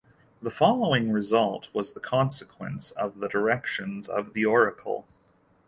The following result was the consequence of the directions of the oracle.